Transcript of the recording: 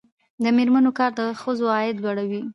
د میرمنو کار د ښځو عاید لوړوي.